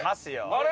あれ？